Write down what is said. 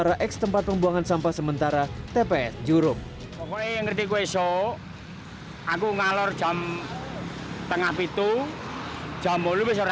di sebelah utara x tempat pembuangan sampah sementara tps jurum